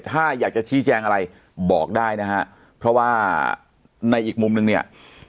ถ้าอยากจะชี้แจงอะไรบอกได้นะฮะเพราะว่าในอีกมุมนึงเนี่ย